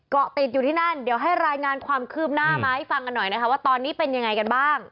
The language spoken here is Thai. เกาะติดอยู่ที่นั่นเดี๋ยวให้รายงานความคืบหน้ามาให้ฟังกันหน่อยนะคะว่าตอนนี้เป็นยังไงกันบ้าง